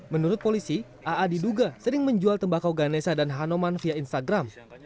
menurut polisi aa diduga sering menjual tembakau ganesa dan hanoman via instagram